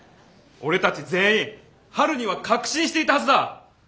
俺たち全員春には確信していたはずだ。